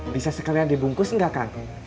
bisa sekalian dibungkus nggak kang